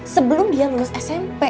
sebelum dia lulus smp